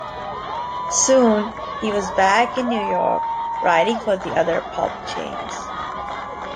Soon, he was back in New York, writing for the other pulp chains.